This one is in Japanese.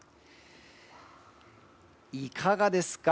いかがですか？